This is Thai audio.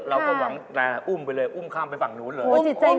เราก็หวังแต่อุ้มไปเลยอุ้มข้ามไปฝั่งนู้นเลย